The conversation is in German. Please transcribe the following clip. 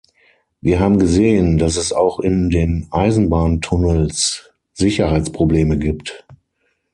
Wir haben gesehen, dass es auch in den Eisenbahntunnels Sicherheitsprobleme gibt.